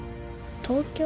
東京？